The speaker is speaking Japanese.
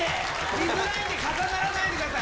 見づらいんで、重ならないでください。